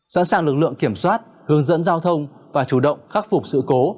sẵn sàng lực lượng kiểm soát hướng dẫn giao thông và chủ động khắc phục sự cố